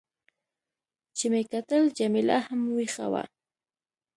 چې مې کتل، جميله هم وېښه وه.